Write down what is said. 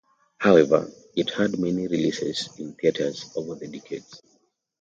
However, it had many re-releases in theaters over the decades.